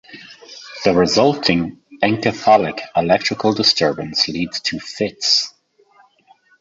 The resulting encephalic electrical disturbance leads to fits.